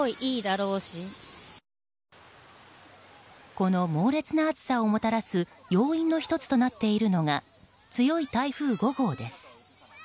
この猛烈な暑さをもたらす要因の１つとなっているのが強い台風５号です。